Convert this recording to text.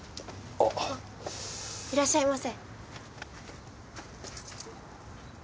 あっいらっしゃいませ。